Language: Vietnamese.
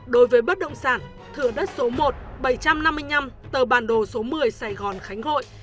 đối với bất động sản thửa đất số một bảy trăm năm mươi năm tờ bản đồ số một mươi sài gòn khánh hội